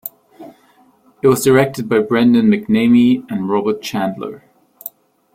It was directed by Brendan McNamee and Robert Chandler.